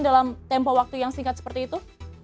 dalam tempo waktu yang singkat seperti itu